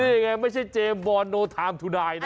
นี่ไงไม่ใช่เจมบอลโนย์ทามทูดายนะ